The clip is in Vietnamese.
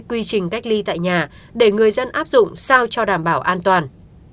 quy trình cách ly tại nhà để người dân áp dụng sao cho đảm bảo an toàn